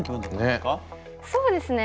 そうですね。